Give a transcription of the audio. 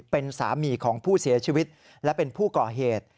เป็นสามีของผู้เสียชีวิตและเป็นผู้ก่อเหตุ